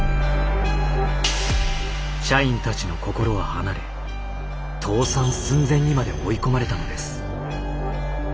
社員たちの心は離れ倒産寸前にまで追い込まれたのです。